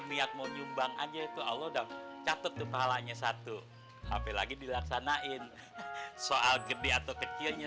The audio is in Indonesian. niat mau nyumbang aja itu allah dan catet kepala nya satu hp lagi dilaksanain soal gede atau kecilnya